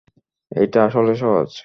এটা আসলে সহজ।